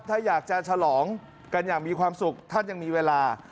ถ้าอยากจะฉลองกันอย่างมีความสุขท่านยังมีเวลา